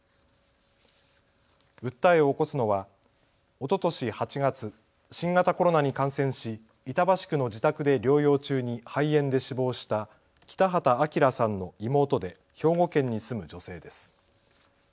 訴えを起こすのはおととし８月、新型コロナに感染し板橋区の自宅で療養中に肺炎で死亡した北端明さんの妹で兵庫県に住む女性です。